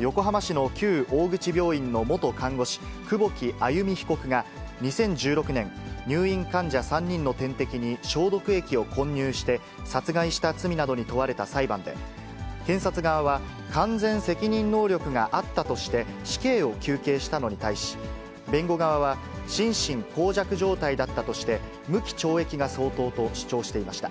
横浜市の旧大口病院の元看護師、久保木愛弓被告が２０１６年、入院患者３人のてんせく、点滴に消毒液を混入して、殺害した罪などに問われた裁判で、検察側は、完全責任能力があったとして、死刑を求刑したのに対し、弁護側は心神耗弱状態だったとして、無期懲役が相当と主張していました。